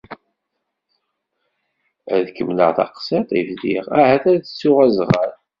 Ad kemmleɣ taqsiḍt i bdiɣ ahat ad ttuɣ azɣal.